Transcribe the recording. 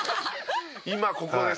今ここで。